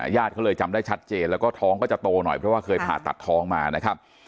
ญาติเขาเลยจำได้ชัดเจนแล้วก็ท้องก็จะโตหน่อยเพราะว่าเคยผ่าตัดท้องมานะครับ